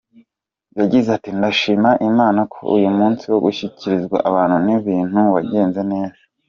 Yagize ati “Ndashima Imana ko uyu munsi wo gushyikirizwa abantu n’ibintu wagenze neza.